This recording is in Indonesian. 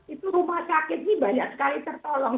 itu rumah sakit ini banyak sekali tertolong